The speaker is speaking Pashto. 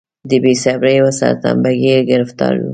د بې صبرۍ او سرتمبه ګۍ ګرفتار و.